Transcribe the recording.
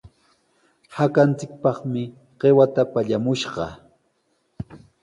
Hakanchikpaqmi qiwata pallamushqaa.